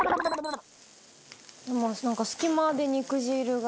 なんか隙間で肉汁が。